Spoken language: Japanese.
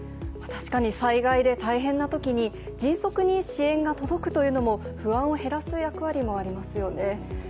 確かに災害で大変な時に迅速に支援が届くというのも不安を減らす役割もありますよね。